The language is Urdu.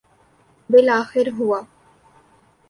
بالآخر ہوا۔